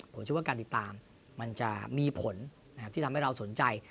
ผมเชื่อว่าการติดตามมันจะมีผลที่ทำให้เราสนใจ